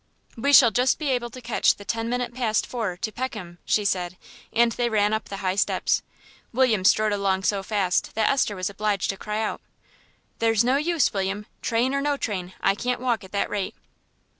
"We shall just be able to catch the ten minutes past four to Peckham," she said, and they ran up the high steps. William strode along so fast that Esther was obliged to cry out, "There's no use, William; train or no train, I can't walk at that rate."